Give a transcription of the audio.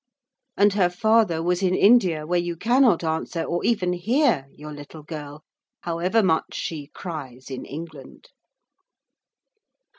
And her father was in India, where you cannot answer, or even hear, your little girl, however much she cries in England.